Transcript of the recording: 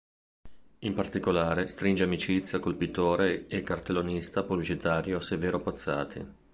In particolare stringe amicizia col pittore e cartellonista pubblicitario Severo Pozzati.